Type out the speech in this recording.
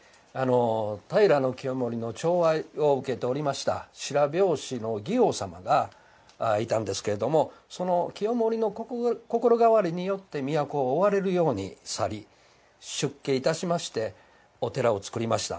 平清盛のちょう愛を受けておりました白拍子の祇王様がいたんですけれどもその清盛の心変わりによって都を追われるように去り出家いたしましてお寺を作りました。